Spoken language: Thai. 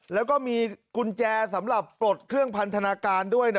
แล้วก็มีกุญแจสำหรับปลดเครื่องพันธนาการด้วยนะ